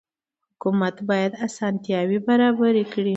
حکومت باید اسانتیاوې برابرې کړي.